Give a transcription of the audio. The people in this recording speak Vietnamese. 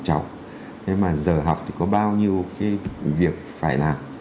cháu thế mà giờ học thì có bao nhiêu cái việc phải làm